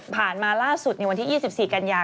มาล่าสุดในวันที่๒๔กันยา